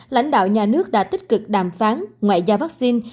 lãnh đạo nhà nước đã tích cực đàm phán ngoại giao vaccine